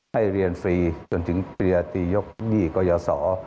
ให้เรียนฟรีจนถึงปริญญาตรียกหนี้กว่าอย่าสอ